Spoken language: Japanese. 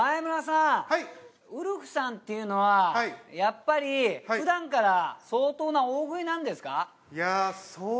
ウルフさんっていうのはやっぱりふだんから相当な大食いなんですか？